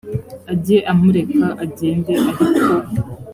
ajye amureka agende ariko